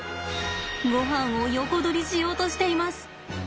ごはんを横取りしようとしています。